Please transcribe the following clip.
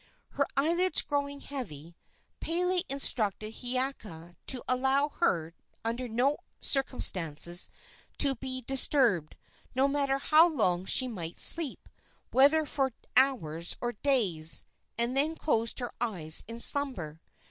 Her eyelids growing heavy, Pele instructed Hiiaka to allow her under no circumstances to be disturbed, no matter how long she might sleep, whether for hours or days, and then closed her eyes in slumber.